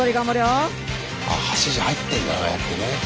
指示入ってんだねああやってね。